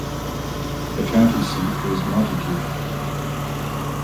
The county seat is Montague.